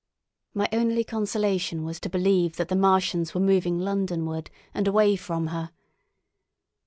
My only consolation was to believe that the Martians were moving Londonward and away from her.